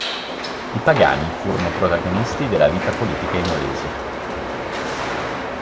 I Pagani furono protagonisti della vita politica imolese.